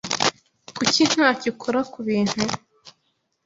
Kuki ntacyo ukora kubintu?